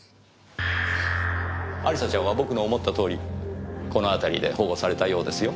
亜里沙ちゃんは僕の思った通りこの辺りで保護されたようですよ。